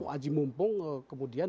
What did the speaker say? aji mumpung kemudian